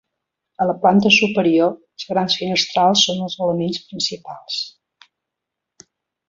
A la planta superior els grans finestrals són els elements principals.